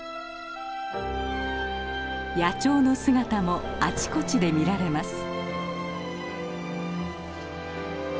野鳥の姿もあちこちで見られます。